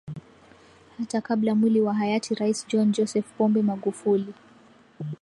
Hata kabla mwili wa hayati Rais John Joseph Pombe Magufuli